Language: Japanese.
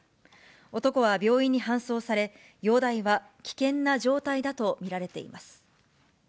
男は病院に搬送され、容体は危険な状態だと見られています。